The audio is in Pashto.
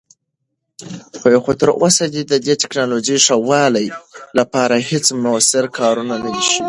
خو تراوسه د دې تکنالوژۍ ښه والي لپاره هیڅ مؤثر کار نه دی شوی.